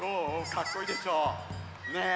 かっこいいでしょう？ねえ。